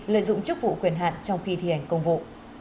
lợi dụng chức vụ quyền hạn trong khi thi hành công vụ